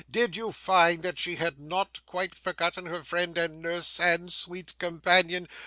Did you find that she had not quite forgotten her friend and nurse and sweet companion?